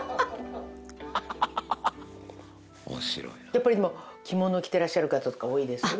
やっぱり着物を着てらっしゃる方とか多いです？